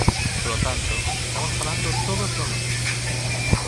Polo tanto, estamos falando todos do mesmo.